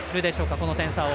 この点差を。